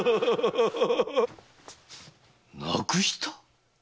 無くした？